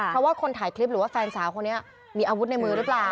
เพราะว่าคนถ่ายคลิปหรือว่าแฟนสาวคนนี้มีอาวุธในมือหรือเปล่า